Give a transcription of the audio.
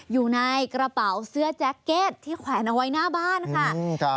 อยู่ในกระเป๋าเสื้อแจ็คเก็ตที่แขวนเอาไว้หน้าบ้านค่ะ